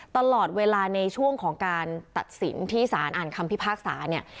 ตลอดเวลาในช่วงของการตัดสินที่สารอ่านคำพิพากษาเนี่ย